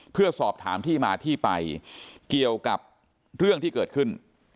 เพื่อสอบถามที่มาที่ไปเกี่ยวกับเรื่องที่เกิดขึ้น